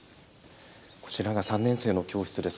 こちらが３年生の教室です。